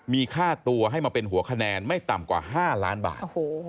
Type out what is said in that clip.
มีค่าตัวให้มาเป็นหัวคะแนนไม่ต่ำกว่า๕ล้านบาท